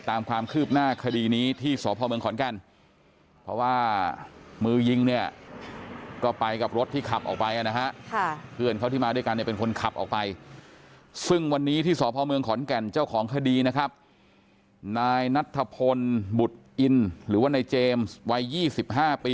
ตั้งแรกมันห่าง๑ตั้ง๒ตั้ง๓ตั้ง๔เดียงเลยครับ